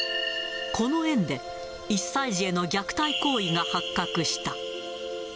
この園で、１歳児への虐待行為が発覚した。